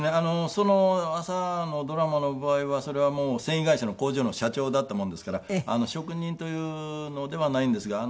その朝のドラマの場合はそれはもう繊維会社の工場の社長だったものですから職人というのではないんですが。